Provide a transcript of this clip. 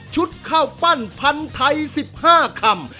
ชุดข้าวปั้นพันธาย๑๕คำ